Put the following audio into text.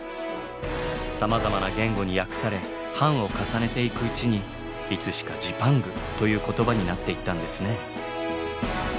さまざまな言語に訳され版を重ねていくうちにいつしかジパングという言葉になっていったんですね。